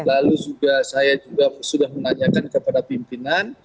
lalu saya juga sudah menanyakan kepada pimpinan